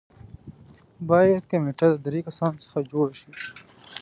باید کمېټه د دریو کسانو څخه جوړه شي.